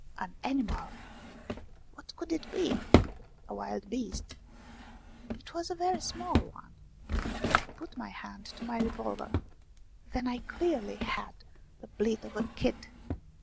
An animal ! What could it be ? A wild beast ? It was a very small one. I put my hand to my revolver ; then I clearly heard the bleat of a kid.